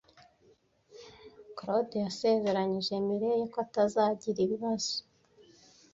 Claude yasezeranije Mirelle ko atazagira ibibazo.